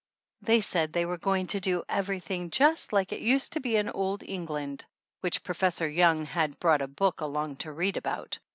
They said they were going to do everything just like it used to be in old England, which Professor Young had brought a book along to read about.